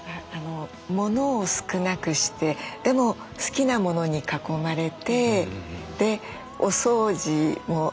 物を少なくしてでも好きな物に囲まれてでお掃除もきれいにできて。